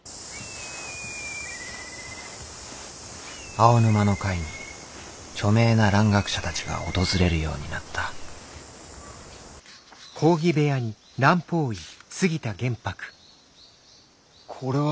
青沼の会に著名な蘭学者たちが訪れるようになったこれは。